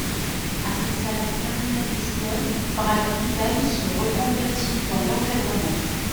Après sa longue carrière de joueur, Brad Friedel se reconvertit dans l'encadrement.